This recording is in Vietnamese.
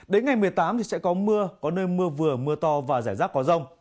đến ngày một mươi tám thì sẽ có mưa có nơi mưa vừa mưa to và rải rác có rông